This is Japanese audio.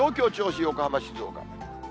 東京、銚子、横浜、静岡。